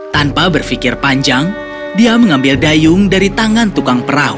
tanpa berpikir panjang dia mengambil dayung dari tangan tukang perahu